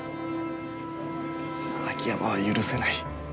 秋山は許せない。